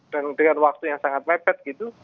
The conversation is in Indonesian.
dan dengan waktu yang sangat mepet gitu